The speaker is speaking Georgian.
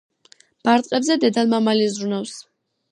ბარტყებზე დედალ-მამალი ზრუნავს.